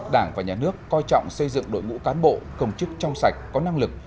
đảng và nhà nước coi trọng xây dựng đội ngũ cán bộ công chức trong sạch có năng lực